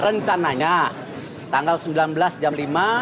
rencananya tanggal sembilan belas jam lima